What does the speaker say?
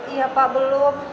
iya pak belum